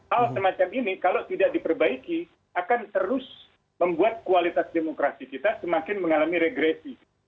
hal semacam ini kalau tidak diperbaiki akan terus membuat kualitas demokrasi kita semakin mengalami regresi